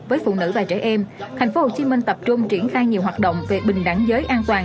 với phụ nữ và trẻ em tp hcm tập trung triển khai nhiều hoạt động về bình đẳng giới an toàn